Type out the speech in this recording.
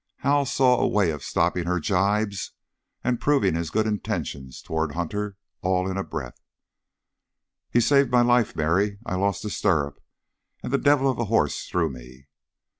Hal saw a way of stopping her gibes and proving his good intentions toward Hunter all in a breath. "He saved my life, Mary. I lost a stirrup, and the devil of a horse threw me."